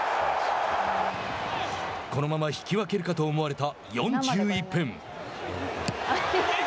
このまま引き分けるかと思われた４１分。